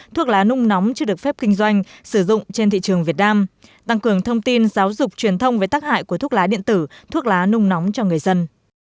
thuốc lá nung nóng chưa được phép kinh doanh sử dụng trên thị trường việt nam tăng cường thông tin giáo dục truyền thông về tác hại của thuốc lá điện tử thuốc lá nung nóng cho người dân